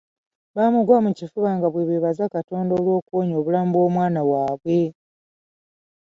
Baamugwa mu kifuba nga bwe beebaza Katonda olw'okuwonya obulamu bw'omwana waabwe.